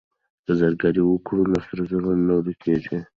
که زرګري وکړو نو سرو زرو نه ورکيږي.